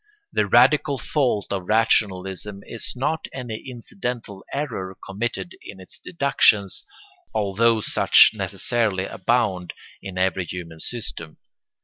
The radical fault of rationalism is not any incidental error committed in its deductions, although such necessarily abound in every human system.